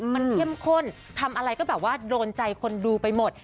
มันเข้มข้นทำอะไรก็แบบว่าโดนใจคนดูไปหมด